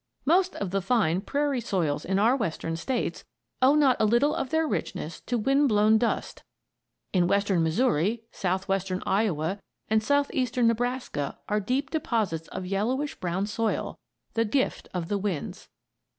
Most of the fine prairie soils in our Western States owe not a little of their richness to wind borne dust. In western Missouri, southwestern Iowa, and southeastern Nebraska are deep deposits of yellowish brown soil, the gift of the winds.